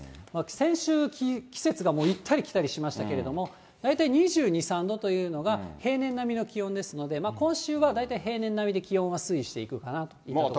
先週、季節がもう行ったり来たりしましたけれども、大体２２、３度というのが平年並みの気温ですので、今週は大体平年並みで気温は推移していくかなというところです。